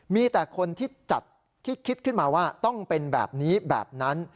มีแต่คนที่จัดที่คิดขึ้นมาว่าต้องเป็นแบบนี้แบบนั้น